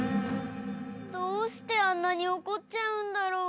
どうしてあんなにおこっちゃうんだろう？